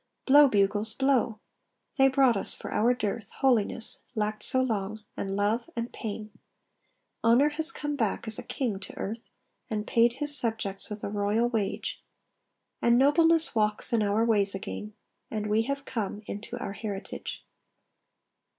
Blow, bugles, blow! They brought us, for our dearth, Holiness, lacked so long, and Love, and Pain. Honour has come back, as a king, to earth, And paid his subjects with a royal wage; And Nobleness walks in our ways again; And we have come into our heritage.